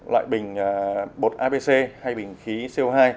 loại bình bột abc hay bình khí co hai